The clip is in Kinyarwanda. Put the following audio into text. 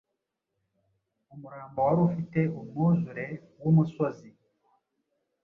umurambo wari ufite umwuzure wumusozi-